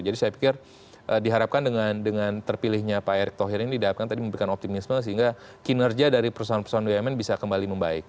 jadi saya pikir diharapkan dengan terpilihnya pak erick thohir ini diharapkan tadi memberikan optimisme sehingga kinerja dari perusahaan perusahaan bumn bisa kembali membaik